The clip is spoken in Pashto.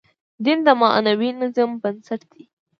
دین د معنوي نظم بنسټ دی.